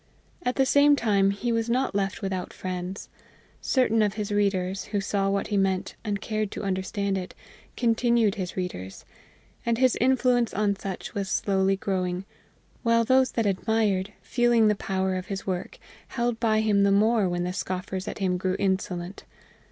At the same time he was not left without friends: certain of his readers, who saw what he meant and cared to understand it, continued his readers; and his influence on such was slowly growing, while those that admired, feeling the power of his work, held by him the more when the scoffers at him grew insolent.